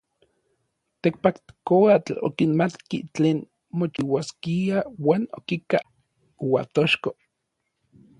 Tekpatkoatl okimatki tlen mochiuaskia uan okika Uatochko.